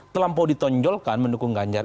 telampau ditonjolkan mendukung ganjar